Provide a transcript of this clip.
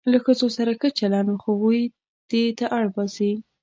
له ښځو سره ښه چلند هغوی دې ته اړ باسي.